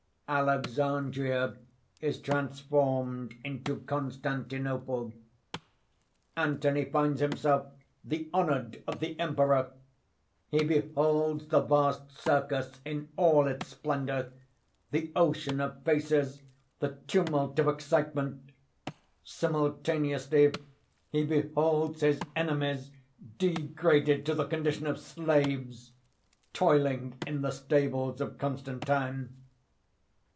Alexandria is transformed into Constantinople. Anthony finds himself the honoured of the Emperor. He beholds the vast circus in all its splendour, the ocean of faces, the tumult of excitement. Simultaneously he beholds his enemies degraded to the condition of slaves, toiling in the stables of Constantine.